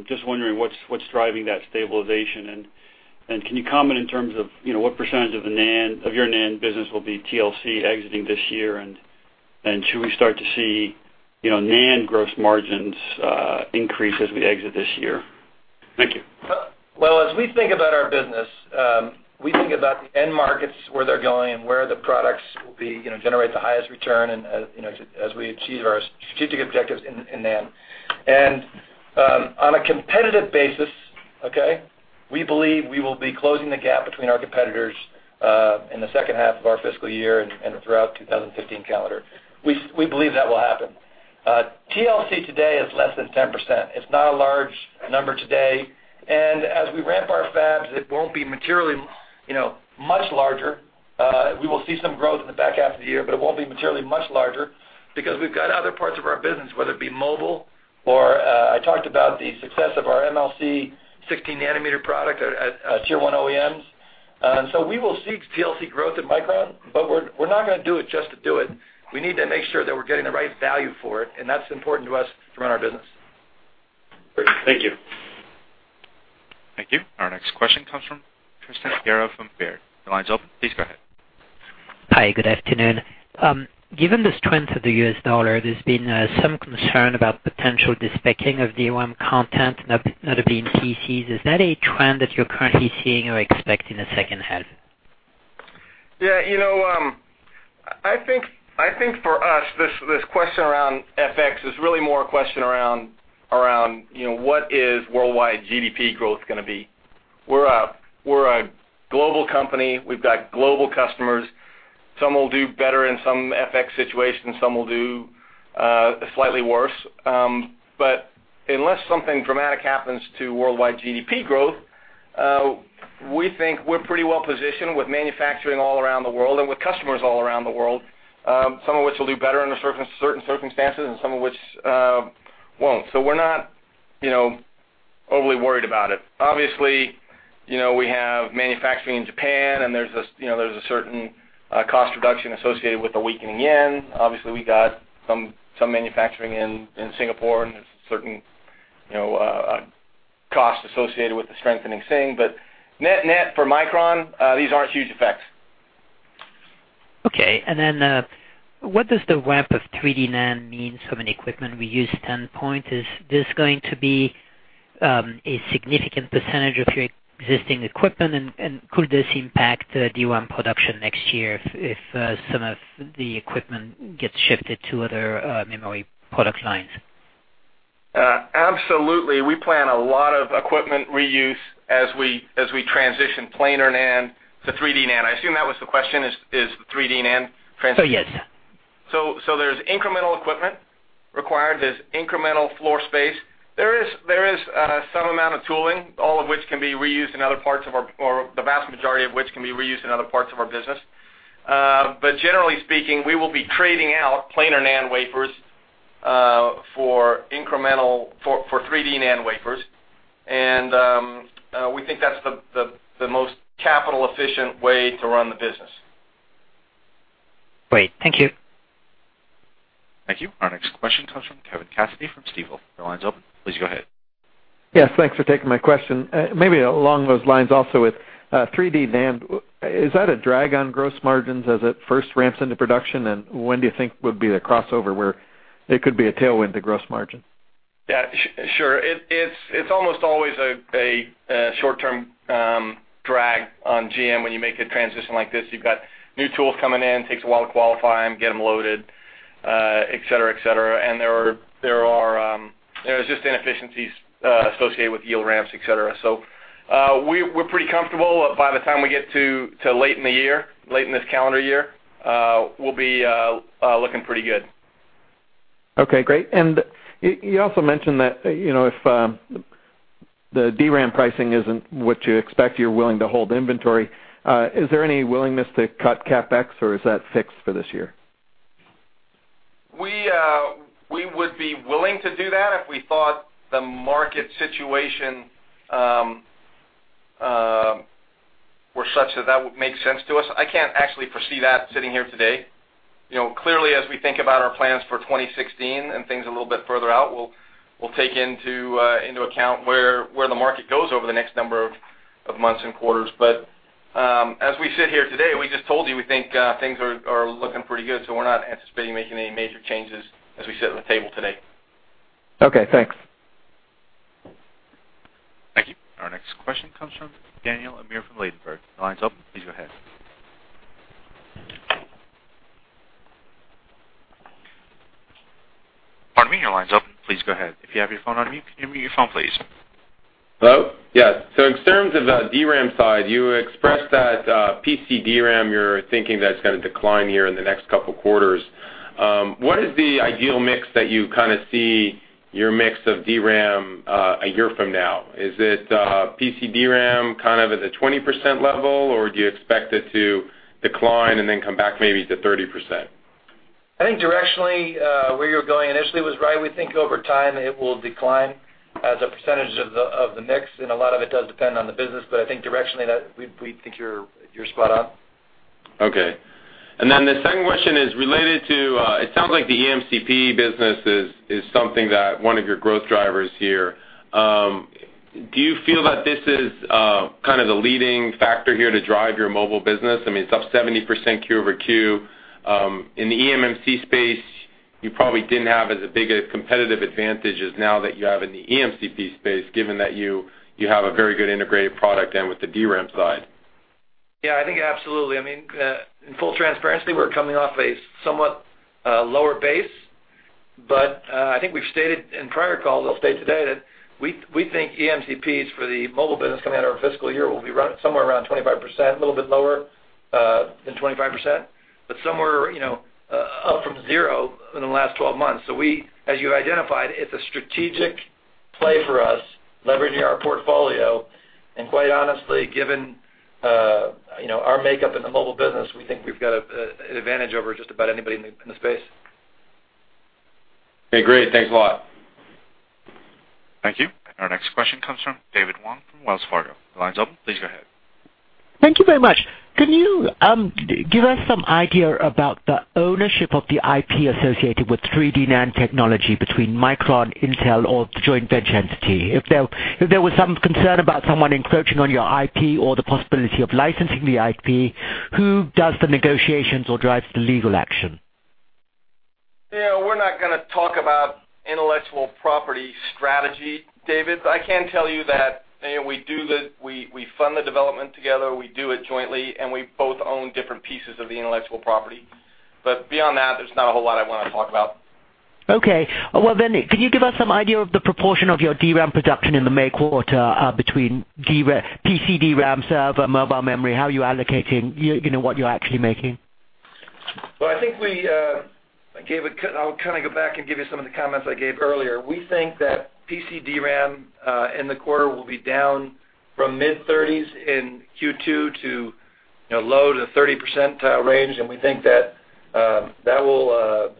Just wondering what's driving that stabilization, can you comment in terms of what percentage of your NAND business will be TLC exiting this year, and should we start to see NAND gross margins increase as we exit this year? Thank you. Well, as we think about our business, we think about the end markets, where they're going and where the products will generate the highest return and as we achieve our strategic objectives in NAND. On a competitive basis, okay, we believe we will be closing the gap between our competitors, in the second half of our fiscal year and throughout 2015 calendar. We believe that will happen. TLC today is less than 10%. It's not a large number today. As we ramp our fabs, it won't be materially much larger. We will see some growth in the back half of the year, it won't be materially much larger because we've got other parts of our business, whether it be mobile or, I talked about the success of our MLC 16 nanometer product at Tier 1 OEMs. We will see TLC growth at Micron, we're not going to do it just to do it. We need to make sure that we're getting the right value for it, that's important to us to run our business. Great. Thank you. Thank you. Our next question comes from Tristan Gerra from Baird. Your line's open. Please go ahead. Hi, good afternoon. Given the strength of the U.S. dollar, there's been some concern about potential de-speccing of the DRAM content and that being PCs. Is that a trend that you're currently seeing or expect in the second half? I think for us, this question around FX is really more a question around what is worldwide GDP growth going to be. We're a global company. We've got global customers. Some will do better in some FX situations, some will do slightly worse. Unless something dramatic happens to worldwide GDP growth, we think we're pretty well-positioned with manufacturing all around the world and with customers all around the world. Some of which will do better under certain circumstances and some of which won't. We're not overly worried about it. Obviously, we have manufacturing in Japan, and there's a certain cost reduction associated with the weakening yen. Obviously, we got some manufacturing in Singapore, and there's a certain cost associated with the strengthening Singapore dollar. Net for Micron, these aren't huge effects. Okay, what does the ramp of 3D NAND mean from an equipment reuse standpoint? Is this going to be a significant percentage of your existing equipment? Could this impact the DRAM production next year if some of the equipment gets shifted to other memory product lines? Absolutely. We plan a lot of equipment reuse as we transition planar NAND to 3D NAND. I assume that was the question, is 3D NAND transition- Yes. There's incremental equipment required. There's incremental floor space. There is some amount of tooling, all of which can be reused in other parts of our-- or the vast majority of which can be reused in other parts of our business. Generally speaking, we will be trading out planar NAND wafers, for 3D NAND wafers. We think that's the most capital-efficient way to run the business. Great. Thank you. Thank you. Our next question comes from Kevin Cassidy from Stifel. Your line's open. Please go ahead. Yes, thanks for taking my question. Maybe along those lines also with 3D NAND, is that a drag on gross margins as it first ramps into production? When do you think would be the crossover where it could be a tailwind to gross margin? Yeah, sure. It's almost always a short-term On GM, when you make a transition like this, you've got new tools coming in, takes a while to qualify them, get them loaded, et cetera. There are just inefficiencies associated with yield ramps, et cetera. We're pretty comfortable by the time we get to late in the year, late in this calendar year, we'll be looking pretty good. Okay, great. You also mentioned that, if the DRAM pricing isn't what you expect, you're willing to hold inventory. Is there any willingness to cut CapEx, or is that fixed for this year? We would be willing to do that if we thought the market situation were such that that would make sense to us. I can't actually foresee that sitting here today. Clearly, as we think about our plans for 2016 and things a little bit further out, we'll take into account where the market goes over the next number of months and quarters. As we sit here today, we just told you we think things are looking pretty good. We're not anticipating making any major changes as we sit at the table today. Okay, thanks. Thank you. Our next question comes from Daniel Amir from Ladenburg. The line's open, please go ahead. Pardon me, your line's open. Please go ahead. If you have your phone on mute, can you mute your phone, please? Hello? Yes. In terms of the DRAM side, you expressed that PC DRAM, you're thinking that it's going to decline here in the next couple of quarters. What is the ideal mix that you kind of see your mix of DRAM a year from now? Is it PC DRAM kind of at the 20% level, or do you expect it to decline and then come back maybe to 30%? I think directionally, where you're going initially was right. We think over time, it will decline as a percentage of the mix, and a lot of it does depend on the business. I think directionally that we think you're spot on. Okay. The second question is related to, it sounds like the eMCP business is something that one of your growth drivers here. Do you feel that this is kind of the leading factor here to drive your mobile business? I mean, it's up 70% quarter-over-quarter. In the eMMC space, you probably didn't have as big a competitive advantage as now that you have in the eMCP space, given that you have a very good integrated product and with the DRAM side. Yeah, I think absolutely. In full transparency, we're coming off a somewhat lower base. I think we've stated in prior calls, I'll state today that we think eMCPs for the mobile business coming out of our fiscal year will be somewhere around 25%, a little bit lower than 25%, but somewhere up from zero in the last 12 months. We, as you identified, it's a strategic play for us, leveraging our portfolio, and quite honestly, given our makeup in the mobile business, we think we've got an advantage over just about anybody in the space. Okay, great. Thanks a lot. Thank you. Our next question comes from David Wong from Wells Fargo. The line's open, please go ahead. Thank you very much. Can you give us some idea about the ownership of the IP associated with 3D NAND technology between Micron, Intel, or the joint venture entity? If there was some concern about someone encroaching on your IP or the possibility of licensing the IP, who does the negotiations or drives the legal action? Yeah, we're not going to talk about intellectual property strategy, David. I can tell you that we fund the development together, we do it jointly, and we both own different pieces of the intellectual property. Beyond that, there's not a whole lot I want to talk about. Okay. Well, could you give us some idea of the proportion of your DRAM production in the May quarter between PC DRAM server, mobile memory, how are you allocating what you're actually making? Well, I'll kind of go back and give you some of the comments I gave earlier. We think that PC DRAM in the quarter will be down from mid-30s in Q2 to low to 30% range, and we think that will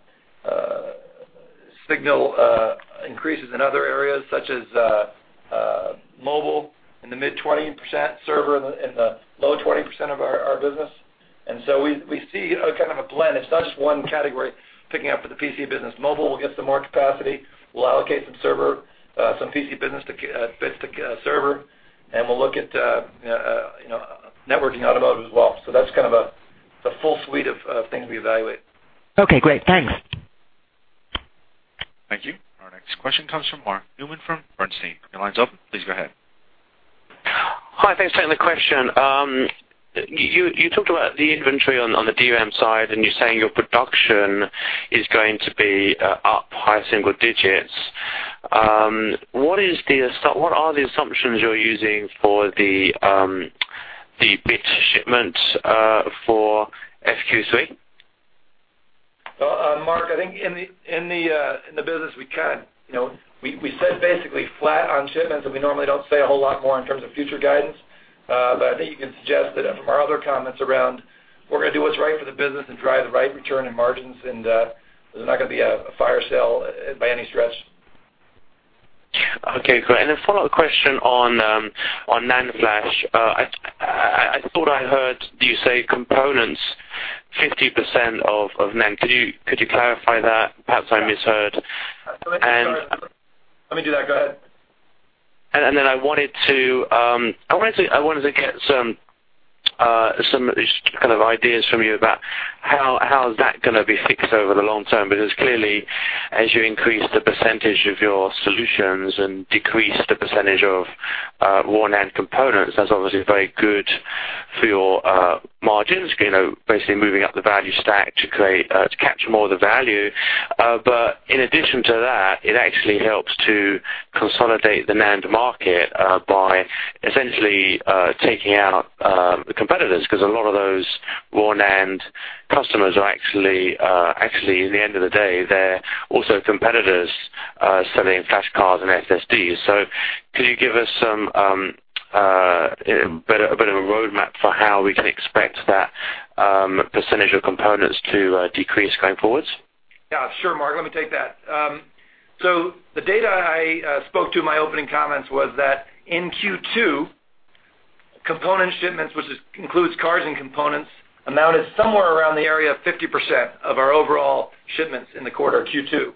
signal increases in other areas such as mobile in the mid-20% server and the low 20% of our business. We see a kind of a blend. It's not just one category picking up for the PC business. Mobile will get some more capacity. We'll allocate some server, some PC business to server, and we'll look at networking automotive as well. That's kind of the full suite of things we evaluate. Okay, great. Thanks. Thank you. Our next question comes from Mark Newman from Bernstein. Your line's open. Please go ahead. Hi, thanks for taking the question. You talked about the inventory on the DRAM side. You're saying your production is going to be up high single digits. What are the assumptions you're using for the bit shipments for FQ3? Well, Mark, I think in the business, we said basically flat on shipments. We normally don't say a whole lot more in terms of future guidance. I think you can suggest that from our other comments around, we're going to do what's right for the business and drive the right return in margins, and there's not going to be a fire sale by any stretch. Okay, great. A follow-up question on NAND flash. I thought I heard you say components 50% of NAND. Could you clarify that? Perhaps I misheard. Let me do that. Go ahead. Then I wanted to get some kind of ideas from you about How is that going to be fixed over the long term? Clearly, as you increase the percentage of your solutions and decrease the percentage of raw NAND components, that's obviously very good for your margins, basically moving up the value stack to capture more of the value. In addition to that, it actually helps to consolidate the NAND market by essentially taking out the competitors. A lot of those raw NAND customers are actually, at the end of the day, they're also competitors selling flash cards and SSDs. Could you give us a bit of a roadmap for how we can expect that percentage of components to decrease going forwards? Yeah, sure, Mark, let me take that. The data I spoke to in my opening comments was that in Q2, component shipments, which includes cards and components, amounted somewhere around the area of 50% of our overall shipments in the quarter, Q2.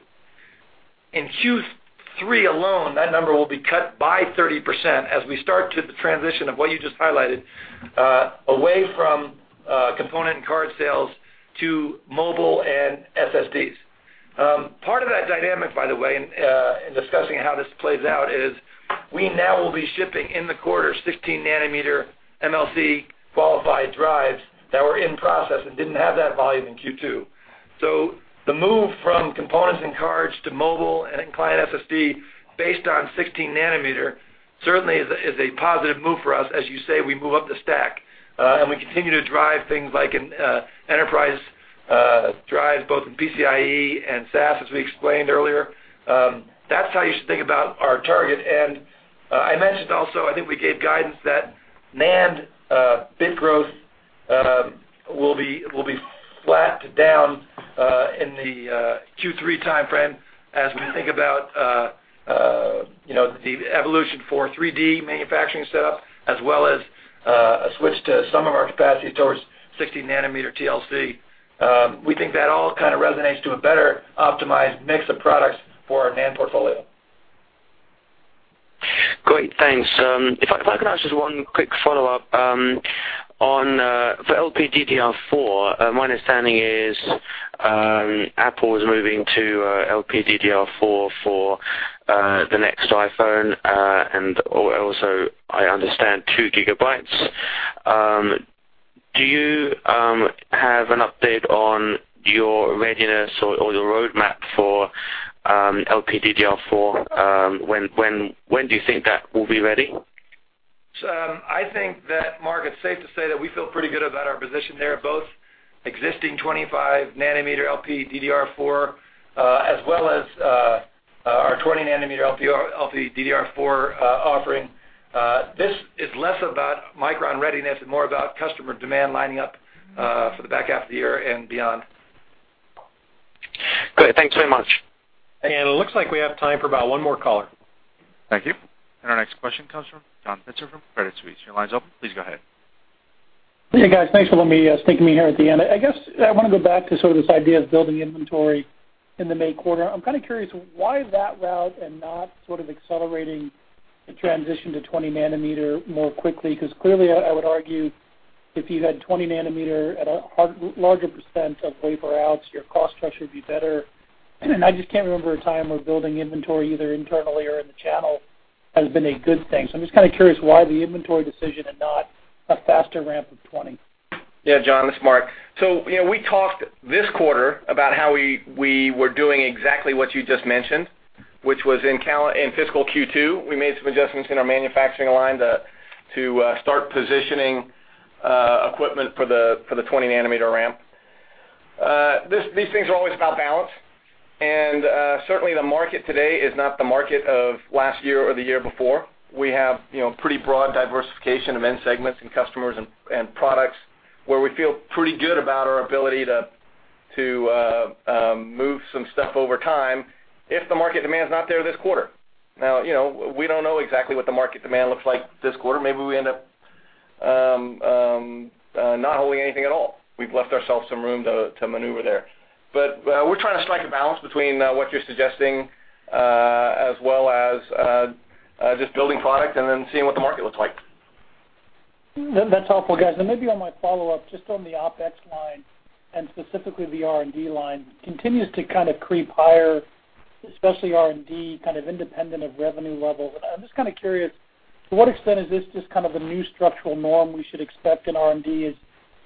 In Q3 alone, that number will be cut by 30% as we start the transition of what you just highlighted, away from component and card sales to mobile and SSDs. Part of that dynamic, by the way, in discussing how this plays out, is we now will be shipping, in the quarter, 16-nanometer MLC-qualified drives that were in process and didn't have that volume in Q2. The move from components and cards to mobile and client SSD based on 16-nanometer certainly is a positive move for us. As you say, we move up the stack, and we continue to drive things like enterprise drives, both in PCIe and SAS, as we explained earlier. That's how you should think about our target. I mentioned also, I think we gave guidance that NAND bit growth will be flat to down in the Q3 timeframe as we think about the evolution for 3D manufacturing setup, as well as a switch to some of our capacity towards 16-nanometer TLC. We think that all resonates to a better optimized mix of products for our NAND portfolio. Great, thanks. If I could ask just one quick follow-up on the LPDDR4. My understanding is Apple is moving to LPDDR4 for the next iPhone, and also, I understand, 2 gigabytes. Do you have an update on your readiness or your roadmap for LPDDR4? When do you think that will be ready? I think that, Mark, it's safe to say that we feel pretty good about our position there, both existing 25-nanometer LPDDR4, as well as our 20-nanometer LPDDR4 offering. This is less about Micron readiness and more about customer demand lining up for the back half of the year and beyond. Great. Thanks very much. It looks like we have time for about one more caller. Thank you. Our next question comes from John Pitzer from Credit Suisse. Your line's open. Please go ahead. Hey, guys. Thanks for letting me sneak me here at the end. I guess I want to go back to this idea of building inventory in the May quarter. I'm curious why that route and not accelerating the transition to 20 nanometer more quickly, because clearly, I would argue, if you had 20 nanometer at a larger % of wafer outs, your cost structure would be better. I just can't remember a time where building inventory, either internally or in the channel, has been a good thing. I'm just curious why the inventory decision and not a faster ramp of 20. Yeah, John, this is Mark. We talked this quarter about how we were doing exactly what you just mentioned, which was in fiscal Q2, we made some adjustments in our manufacturing line to start positioning equipment for the 20-nanometer ramp. These things are always about balance, and certainly the market today is not the market of last year or the year before. We have pretty broad diversification of end segments and customers and products where we feel pretty good about our ability to move some stuff over time if the market demand is not there this quarter. We don't know exactly what the market demand looks like this quarter. Maybe we end up not owing anything at all. We've left ourselves some room to maneuver there. We're trying to strike a balance between what you're suggesting as well as just building product and then seeing what the market looks like. That's helpful, guys. Maybe on my follow-up, just on the OpEx line, and specifically the R&D line, continues to creep higher, especially R&D, independent of revenue levels. I'm just curious, to what extent is this just a new structural norm we should expect in R&D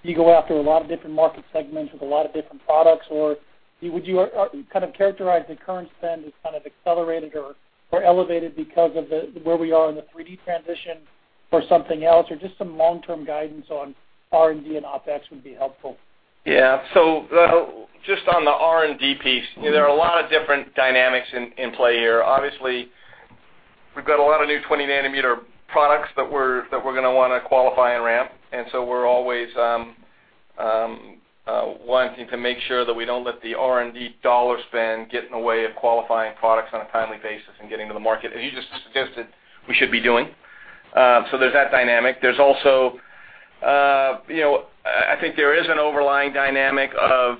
as you go after a lot of different market segments with a lot of different products? Would you characterize the current spend as accelerated or elevated because of where we are in the 3D transition or something else? Just some long-term guidance on R&D and OpEx would be helpful. Yeah. Just on the R&D piece, there are a lot of different dynamics in play here. Obviously, we've got a lot of new 20-nanometer products that we're going to want to qualify and ramp. We're always wanting to make sure that we don't let the R&D dollar spend get in the way of qualifying products on a timely basis and getting to the market, as you just suggested we should be doing. There's that dynamic. I think there is an overlying dynamic of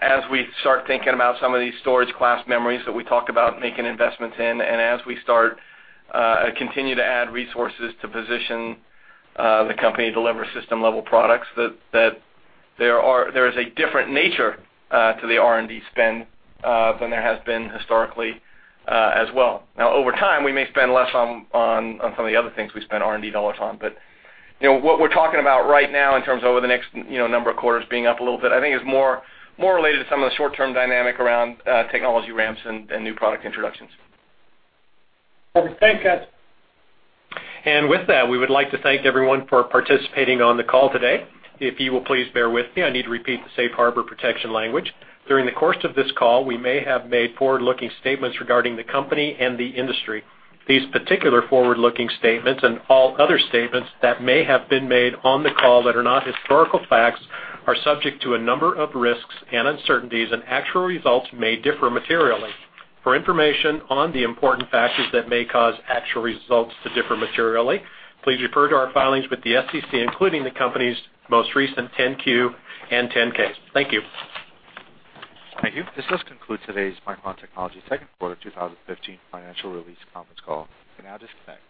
as we start thinking about some of these storage class memories that we talked about making investments in, and as we continue to add resources to position the company to deliver system-level products, that there is a different nature to the R&D spend than there has been historically as well. Over time, we may spend less on some of the other things we spend R&D dollars on. What we're talking about right now in terms of over the next number of quarters being up a little bit, I think is more related to some of the short-term dynamic around technology ramps and new product introductions. Okay. Thanks, guys. With that, we would like to thank everyone for participating on the call today. If you will please bear with me, I need to repeat the safe harbor protection language. During the course of this call, we may have made forward-looking statements regarding the company and the industry. These particular forward-looking statements, and all other statements that may have been made on the call that are not historical facts, are subject to a number of risks and uncertainties, and actual results may differ materially. For information on the important factors that may cause actual results to differ materially, please refer to our filings with the SEC, including the company's most recent 10-Q and 10-Ks. Thank you. Thank you. This does conclude today's Micron Technology second quarter 2015 financial release conference call. You can now disconnect.